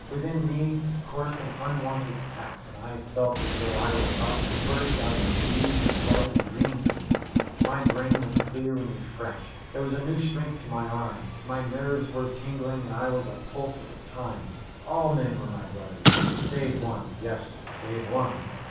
Within me coursed an unwonted sap, and I felt as though I were about to burst out into leaves and buds and green things. My brain was clear and refreshed. There was a new strength to my arm. My nerves were tingling and I was a pulse with the times. All men were my brothers. Save one yes, save one.